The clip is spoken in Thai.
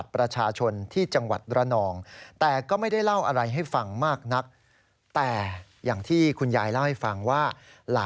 ปีที่แล้วเนี่ยนะ